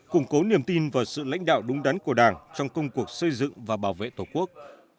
củng cố niềm tin và sự lãnh đạo đúng đắn của đảng trong công cuộc xây dựng và bảo vệ tổ quốc